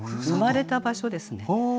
生まれた場所ですね。